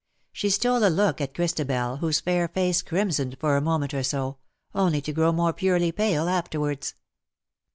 She stole a look at Christabel, whose fair face crimsoned for a moment or so, only to grow more purely pale afterwards.